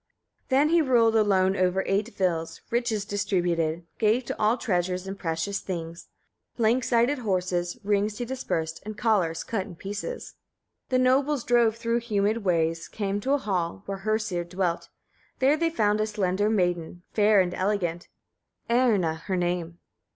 35. Then he ruled alone over eight vills, riches distributed, gave to all treasures and precious things; lank sided horses, rings he dispersed, and collars cut in pieces. 36. The nobles drove through humid ways, came to a hall, where Hersir dwelt; there they found a slender maiden, fair and elegant, Erna her name.